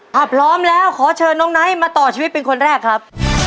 ถ้าพร้อมแล้วขอเชิญน้องไนท์มาต่อชีวิตเป็นคนแรกครับ